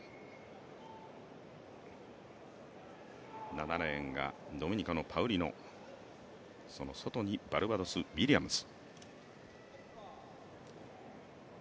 ７レーンがドミニカのパウリノ、その外にウィリアムズ。